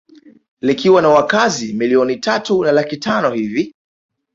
Likiwa na wakazi milioni tatu na laki tano hivi